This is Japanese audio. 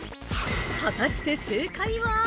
◆果たして正解は。